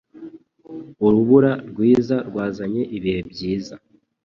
Urubura rwiza rwazanye ibihe byiza.